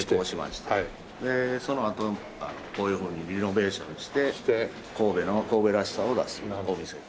そのあとこういうふうにリノベーションして神戸の神戸らしさを出すお店という。